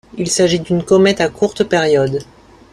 Il s'agit d'une comète à courte période.